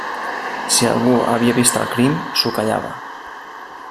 Si algú havia vist el crim, s'ho callava.